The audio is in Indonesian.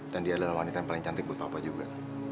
dan dia adalah wanita yang paling cantik buat papa juga